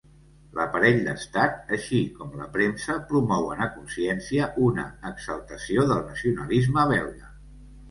L'aparell d'Estat així com la premsa promouen a consciència una exaltació del nacionalisme belga.